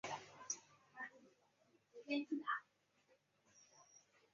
中方军队在进攻时伤亡较重。